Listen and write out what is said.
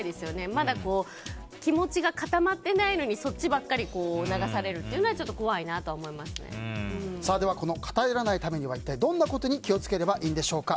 まだ気持ちが固まってないのにそっちばっかり流されるのはこの偏らないためにはどんなことに気を付ければいいんでしょうか。